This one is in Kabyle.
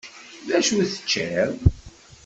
Dacu i teččiḍ?